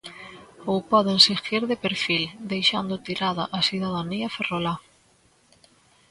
Ou poden seguir de perfil, deixando tirada a cidadanía ferrolá.